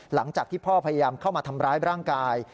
หลังจากที่พ่อพยายามเข้ามาทำร้ายร่างกาย